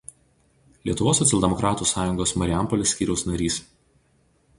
Lietuvos socialdemokratų sąjungos Marijampolės skyriaus narys.